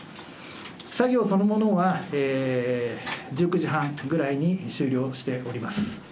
作業そのものは１９時半ぐらいに終了しております。